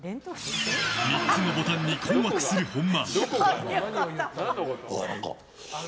３つのボタンに困惑する本間。